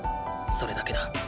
それだけだ。